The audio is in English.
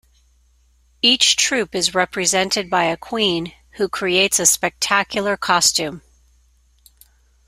Each troupe is represented by a queen who creates a spectacular costume.